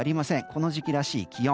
この時期らしい気温。